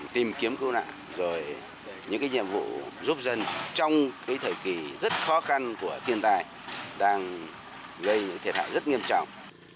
tìm kiếm cứu nạn những nhiệm vụ giúp dân trong thời kỳ rất khó khăn của thiên tài đang gây những thiệt hại rất nghiêm trọng